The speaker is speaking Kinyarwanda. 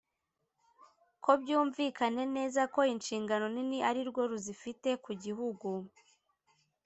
ko byumvikane neza ko inshingano nini ari rwo ruzifite ku gihugu